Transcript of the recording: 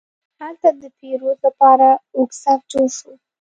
هلته د پیرود لپاره اوږد صف جوړ شو.